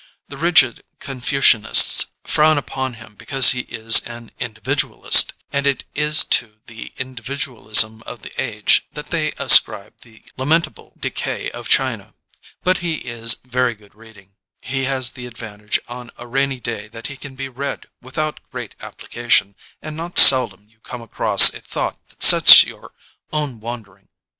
The rigid Con fucianists frown upon him because he is an in dividualist, and it is to the individualism of the age that they ascribe the lamentable decay of China, but he is very good reading; he has the advantage on a rainy day that he can be read without great application and not seldom you come across a thought that sets your own wan dering.